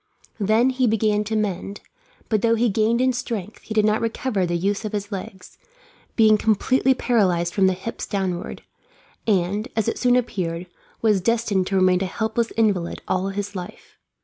Then he began to mend, but though he gained in strength he did not recover the use of his legs, being completely paralysed from the hips downward; and, as it soon appeared, was destined to remain a helpless invalid all his life.